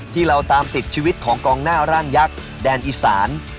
ที่เราตามติดชีวิตของกองหน้าร่างยักษ์แดนอีสาน